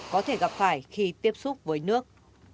có thể gặp phải khi tiếp xúc với nước